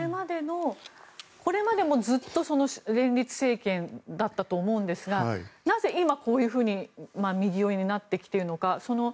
これまでもずっと連立政権だったと思うんですがなぜ今、こういうふうに右寄りになってきているのか